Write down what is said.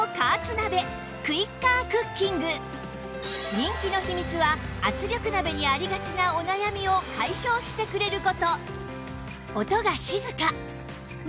人気の秘密は圧力鍋にありがちなお悩みを解消してくれる事